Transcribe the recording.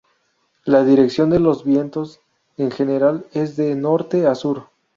La dirección de los vientos en general es de norte a sur.